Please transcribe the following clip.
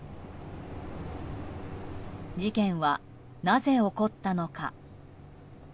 事件は、なぜ起こったのか。